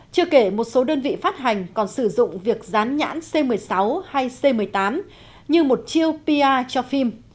chưa kể một số đơn vị phát hành còn sử dụng việc dán nhãn c một mươi sáu hay c một mươi tám như một chiêu pr cho phim